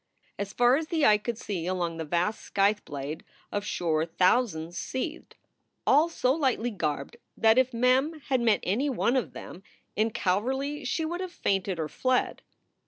As far as the eye could see along the vast scythe blade of shore thousands seethed, all so lightly garbed that if Mem had met any one of them in Calverly she would have fainted or fled.